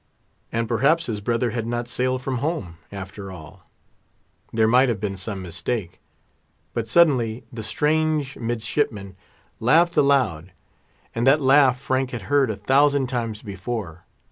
And perhaps his brother had not sailed from home, after all; there might have been some mistake. But suddenly the strange midshipman laughed aloud, and that laugh Frank had heard a thousand times before.